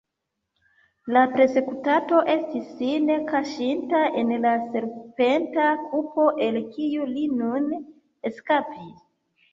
La persekutato estis sin kaŝinta en la serpenta puto, el kiu li nun eskapis.